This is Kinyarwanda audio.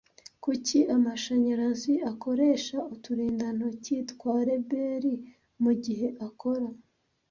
Kuki amashanyarazi akoresha uturindantoki twa reberi mugihe akora